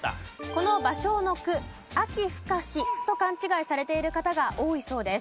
この芭蕉の句「秋深し」と勘違いされている方が多いそうです。